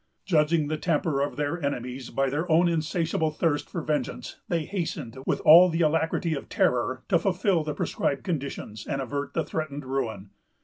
Judging the temper of their enemies by their own insatiable thirst for vengeance, they hastened, with all the alacrity of terror, to fulfil the prescribed conditions, and avert the threatened ruin.